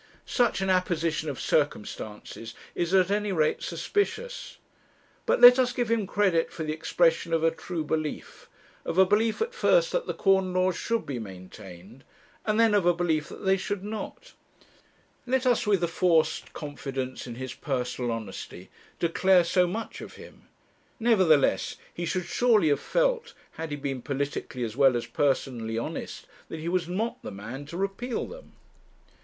Such an apposition of circumstances is at any rate suspicious. But let us give him credit for the expression of a true belief; of a belief at first that the corn laws should be maintained, and then of a belief that they should not; let us, with a forced confidence in his personal honesty, declare so much of him; nevertheless, he should surely have felt, had he been politically as well as personally honest, that he was not the man to repeal them.